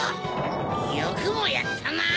よくもやったな！